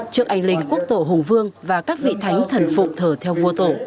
trước anh linh quốc tổ hùng vương và các vị thánh thần phụ thờ theo vua tổ